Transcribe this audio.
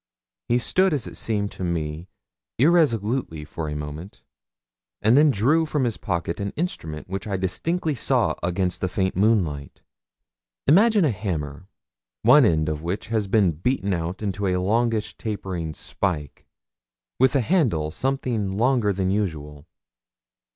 He stood, as it seemed to me irresolutely for a moment, and then drew from his pocket an instrument which I distinctly saw against the faint moonlight. Imagine a hammer, one end of which had been beaten out into a longish tapering spike, with a handle something longer than usual.